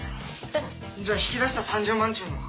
じゃあ引き出した３０万ちゅうのは？